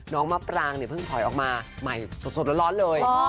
น้องมะปล่างเพิ่งถอยออกมาใหม่สดแล้วรอดเลย